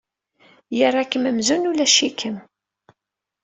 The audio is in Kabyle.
Yerra-kem amzun ulac-ikem.